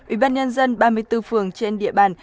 ủy ban nhân dân ba mươi bốn phường trên địa bàn